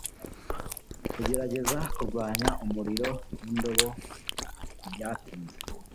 kugerageza kurwanya umuriro n'indobo ntibyatinze